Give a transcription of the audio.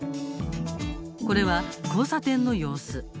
これは交差点の様子。